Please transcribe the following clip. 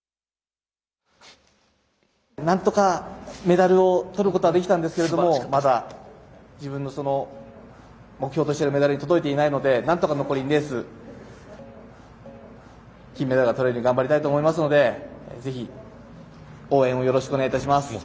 何とかメダルを取ることはできたんですけれどもまだ、自分の目標としているメダルに届いていないので何とか残り２レース金メダルが取れるように頑張りたいと思いますのでぜひ応援をよろしくお願いいたします。